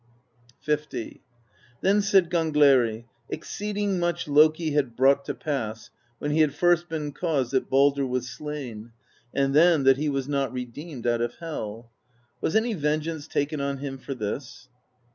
L. Then said Gangleri: "Exceeding much Loki had brought to pass, when he had first been cause that Baldr was slain, and then that he was not redeemed out of Hel. Was any vengeance taken on him for this?"